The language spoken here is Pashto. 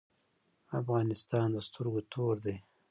افغانستان د سترګو تور دی